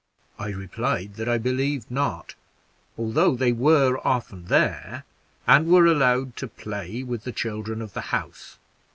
I replied, that I believed not, although they were often there, and were allowed to play with the children of the house.